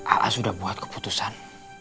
a'a sudah buat keputusan